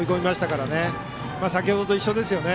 これも先程と一緒ですよね。